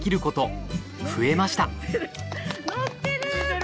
乗ってる！